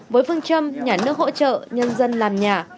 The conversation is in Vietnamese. với phương châm nhà nước hỗ trợ nhân dân làm nhà